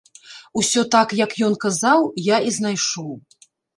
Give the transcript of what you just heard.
Усё так, як ён казаў, я і знайшоў.